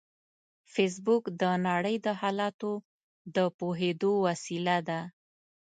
فېسبوک د نړۍ د حالاتو د پوهېدو وسیله ده